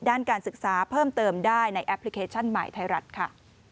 ด้านการศึกษาเพิ่มเติมได้ในแอปพลิเคชันใหม่ไทยรัฐค่ะ